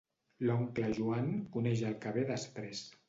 L'oncle Joan coneix el que ve després.